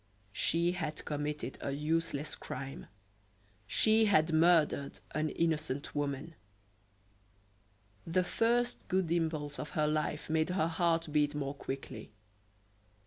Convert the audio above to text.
She had committed a useless crime; she had murdered an innocent woman. The first good impulse of her life made her heart beat more quickly.